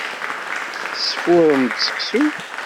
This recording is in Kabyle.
Tesfurrem-d seksu?